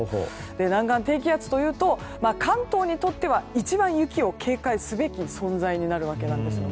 南岸低気圧というと関東にとっては一番雪を警戒すべき存在になるわけなんです。